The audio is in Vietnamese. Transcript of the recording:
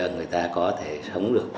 người ta có thể sống được